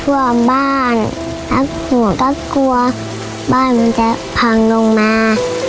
กลัวบ้านแล้วก็กลัวก็กลัวบ้านมันจะพังลงมา